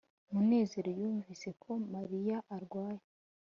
munezero yumvise ko mariya arwaye